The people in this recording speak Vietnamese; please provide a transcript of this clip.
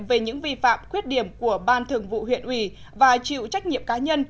về những vi phạm khuyết điểm của ban thường vụ huyện ủy và chịu trách nhiệm cá nhân